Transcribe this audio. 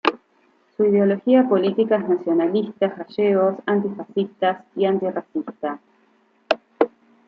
Su ideología política es nacionalistas gallegos, antifascistas y antirracista.